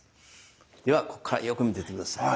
ではここからよく見ていて下さい。